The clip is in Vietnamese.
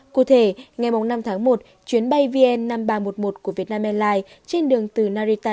cụ thể ngày năm tháng một chuyến bay vn năm nghìn ba trăm một mươi một của vietnam airlines trên đường từ narita